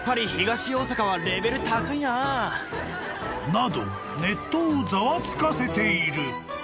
［などネットをざわつかせている］